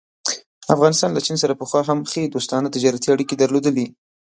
افغانستان له چین سره پخوا هم ښې دوستانه تجارتي اړيکې درلودلې.